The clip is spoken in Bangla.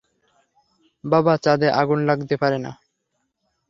বাবা, চাঁদে আগুন লাগতে পারে না।